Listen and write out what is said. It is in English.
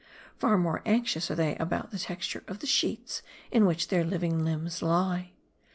Far more anxious are they about ih& texture of the sheets in which their living limbs lie.